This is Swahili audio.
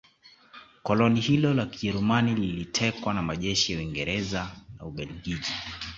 koloni hilo la Kijerumani lilitekwa na majeshi ya Uingereza na Ubelgiji